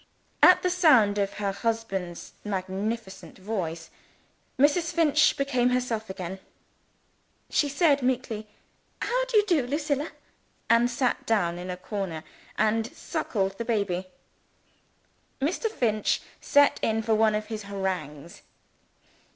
At the sound of her husband's magnificent voice, Mrs. Finch became herself again. She said meekly, "How d'ye do, Lucilla?" and sat down in a corner, and suckled the baby. Mr. Finch set in for one of his harangues.